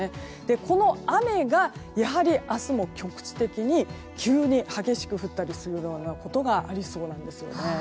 この雨が、やはり明日も局地的に急に激しく降ったりすることがありそうです。